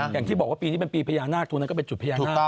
อย่างที่บอกว่าปีนี้เป็นปีพญานาคตัวนั้นก็เป็นจุดพญานาค